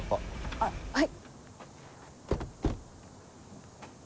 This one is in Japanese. あっはい。